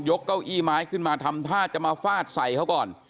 เก้าอี้ไม้ขึ้นมาทำท่าจะมาฟาดใส่เขาก่อน